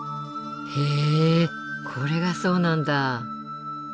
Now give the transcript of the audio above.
へえこれがそうなんだ。